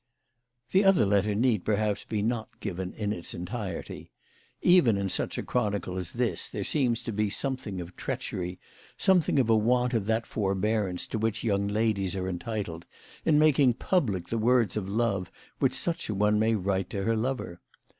The other letter need perhaps be not given in its entirety. Even in such a chronicle as this there seems to be something of treachery, something of a want of that forbearance to which young ladies are entitled, in making public the words of love which such a one may write to her lover.